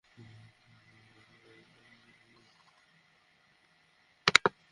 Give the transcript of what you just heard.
এমনটা তোমার সাথে কখনো হবে না।